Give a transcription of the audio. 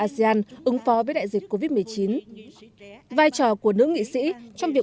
cộng đồng văn hóa xã hội asean ứng phó với đại dịch covid một mươi chín vai trò của nữ nghị sĩ trong việc